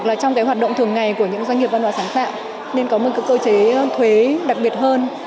là trong cái hoạt động thường ngày của những doanh nghiệp văn hóa sáng tạo nên có một cơ chế thuế đặc biệt hơn